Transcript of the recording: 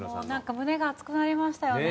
胸が熱くなりましたよね。